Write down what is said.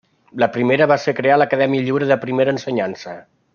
La primera va ser crear l'Acadèmia Lliure de primera ensenyança.